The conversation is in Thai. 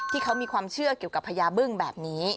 ที่เขามีความเชื่อเกี่ยวกับพญาบึ้งแบบนี้